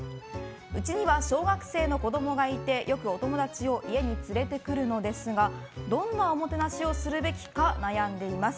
うちには小学生の子供がいてよくお友達を家に連れてくるのですがどんなおもてなしをするべきか悩んでいます。